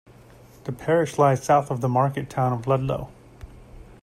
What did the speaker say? The parish lies south of the market town of Ludlow.